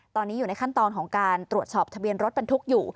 ตอนนี้อยู่ในขั้นตอนของการตรวจสอบทะเบียนรถบรรทุกอยู่